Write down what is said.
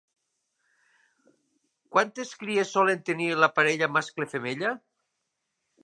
Quantes cries solen tenir la parella mascle-femella?